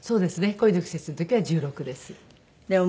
『恋の季節』の時は１６です。